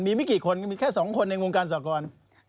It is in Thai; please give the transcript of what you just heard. มีไม่กี่คนมีแค่๒คนในวงการสากร